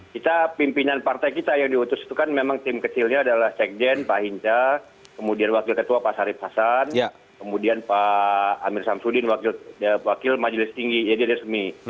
kita pimpinan partai kita yang diutus itu kan memang tim kecilnya adalah sekjen pak hinca kemudian wakil ketua pak sarip hasan kemudian pak amir samsudin wakil majelis tinggi jadi resmi